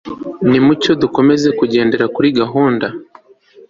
nimucyo dukomeze kugendera kuri gahunda